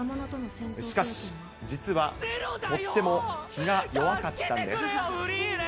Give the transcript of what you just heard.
しかし、実はとっても気が弱かったんです。